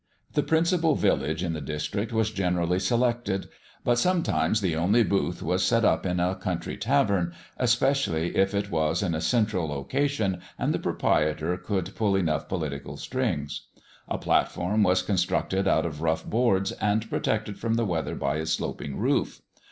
The principal village in the district was generally selected, but sometimes the only booth was set up in a country tavern, especially if it was in a central location and the proprietor could pull enough political strings. A platform was constructed out of rough boards and protected from the weather by a sloping roof.